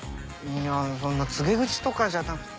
いやそんな告げ口とかじゃなくて。